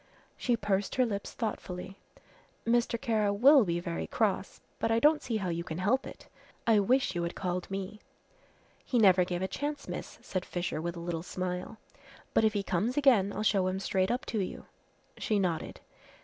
She pursed her lips thoughtfully. "Mr. Kara will be very cross, but I don't see how you can help it. I wish you had called me." "He never gave a chance, miss," said Fisher, with a little smile, "but if he comes again I'll show him straight up to you." She nodded.